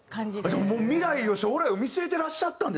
じゃあ未来を将来を見据えてらっしゃったんですね